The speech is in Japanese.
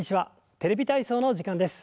「テレビ体操」の時間です。